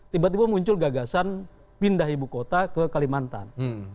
tiba tiba muncul gagasan pindah ibu kota ke kalimantan